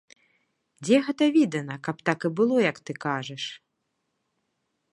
Дзе гэта відана, каб так і было, як ты кажаш?!